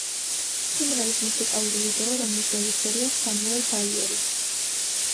სიმღერის მუსიკალური ვიდეო, რომლის რეჟისორია სამუელ ბაიერი.